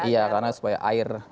iya karena supaya air